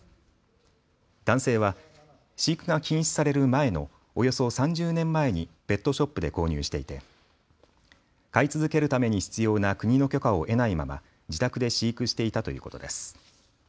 男性は飼育が禁止される前のおよそ３０年前にペットショップで購入していて飼い続けるために必要な国の許可を得ないまま、自宅で飼育していたということです。